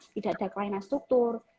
tidak ada kelainan struktur